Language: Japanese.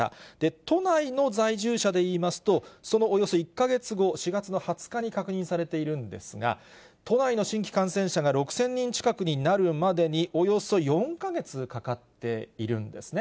都内の在住者でいいますと、そのおよそ１か月後、４月の２０日に確認されているんですが、都内の新規感染者が６０００人近くになるまでに、およそ４か月かかっているんですね。